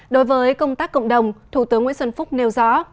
đối với công tác cộng đồng thủ tướng nguyễn xuân phúc nêu rõ